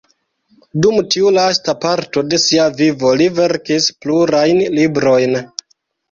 Dum tiu lasta parto de sia vivo li verkis plurajn librojn.